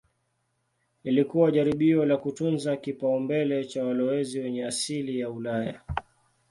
Lilikuwa jaribio la kutunza kipaumbele cha walowezi wenye asili ya Ulaya.